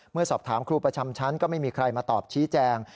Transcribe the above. เมื่อสอบถามครูประจำชั้นก็ไม่มีใครมาตอบชี้แจง